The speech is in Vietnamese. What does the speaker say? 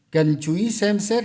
cần chú ý xem xét